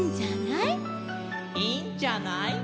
「いいんじゃない」